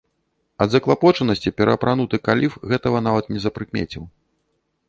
Ад заклапочанасці пераапрануты каліф гэтага нават не запрыкмеціў.